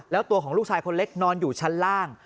แล้วตัวของลูกชายคนเล็กนอนอยู่ชั้นล่าง